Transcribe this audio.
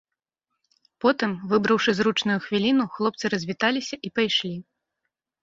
Потым, выбраўшы зручную хвіліну, хлопцы развіталіся і пайшлі.